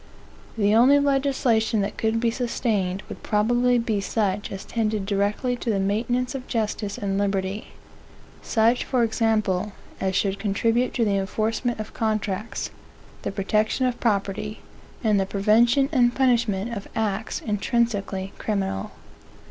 The only legislation that could be sustained, would probably be such as tended directly to the maintenance of justice and liberty; such, for example, as should contribute to the enforcement of contracts, the protection of property, and the prevention and punishment of acts intrinsically criminal.